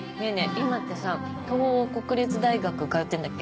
今ってさ東央国立大学通ってんだっけ？